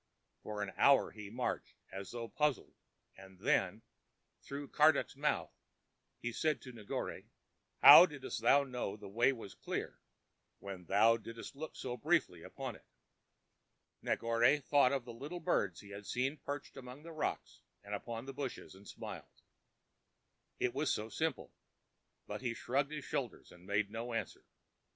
For an hour he marched, as though puzzled, and then, through Karduk's mouth, he said to Negore: "How didst thou know the way was clear when thou didst look so briefly upon it?" Negore thought of the little birds he had seen perched among the rocks and upon the bushes, and smiled, it was so simple; but he shrugged his shoulders and made no answer.